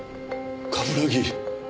冠城！